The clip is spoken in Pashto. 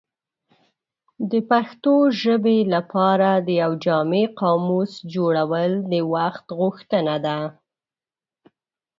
د پښتو ژبې لپاره د یو جامع قاموس جوړول د وخت غوښتنه ده.